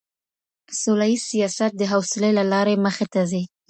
سوله ييز سياست د حوصلې له لاري مخي ته ځي.